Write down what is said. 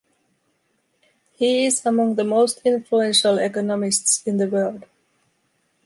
He is among the most influential economists in the world.